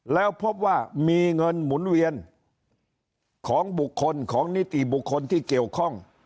แล้วพบว่ามีเงินหมุนเวียนของบุคคลของนิติบุคคลที่เกี่ยวข้อง